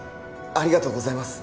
ありがとうございます